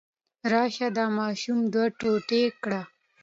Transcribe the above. راشه دا ماشوم دوه ټوټې کړه.